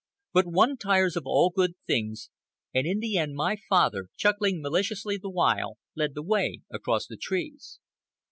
But one tires of all good things, and in the end, my father, chuckling maliciously the while, led the way across the trees.